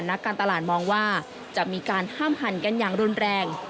นักการตลาดมองว่าจะมีการห้ามหั่นกันอย่างรุนแรง